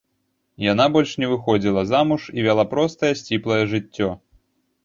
Яна больш не выходзіла замуж і вяла простае сціплае жыццё.